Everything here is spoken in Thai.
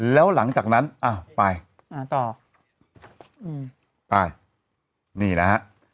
แล้วหลังจากนั้นอ้าวไปหาต่ออืมไปนี่นะฮะ